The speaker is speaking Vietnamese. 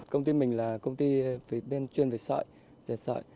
công ty mình là công ty bên chuyên về sợi dệt sợi